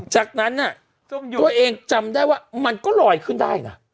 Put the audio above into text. จากนั้นตัวเองจำได้ว่ามันก็ลอยขึ้นได้นะ